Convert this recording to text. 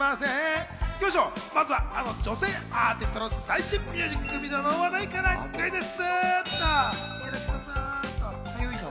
まずはあの女性アーティストの最新ミュージックビデオの話題からクイズッス。